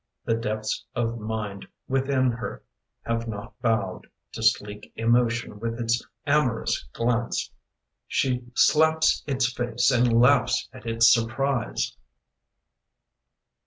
The depths of mind within her have not bowed To sleek emotion with its amorous glance. She slaps its face and laughs at its surprise!